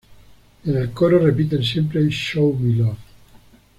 En el coro repiten siempre "Show Me Love".